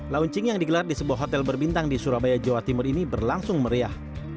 launching yang digelar di sebuah hotel berbintang di surabaya jawa timur ini berlangsung meriah